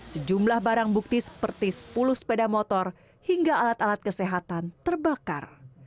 sejumlah barang bukti seperti sepuluh sepeda motor hingga alat alat kesehatan terbakar